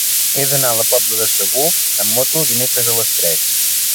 He d'anar a la Pobla de Segur amb moto dimecres a les tres.